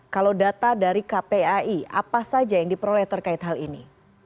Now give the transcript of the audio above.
kalau data dari kpai apa saja yang diperoleh terkait hal ini